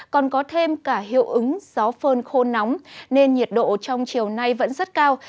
còn có thêm cả hiệu ứng gió phơn khô nóng nên nhiệt độ trong chiều nay vẫn rất cao